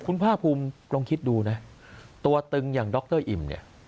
คุณภาคภูมิลองคิดดูนะตัวตึงอย่างดรอิ่มเนี่ย